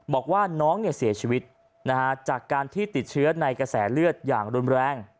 บอกว่าน้องเสียชีวิตจากการที่ติดเชื้อในกระแสเลือดอย่างรุนแรง